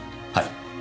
はい。